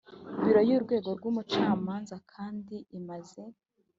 biro y urwego rw ubucamanza kandi imaze